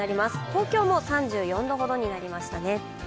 東京も３４度ほどになりましたね。